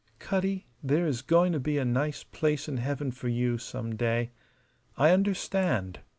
"Cutty, there is going to be a nice place in heaven for you some day. I understand.